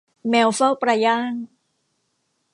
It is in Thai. แมวเฝ้าปลาย่าง